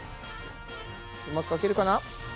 うまくかけるかな？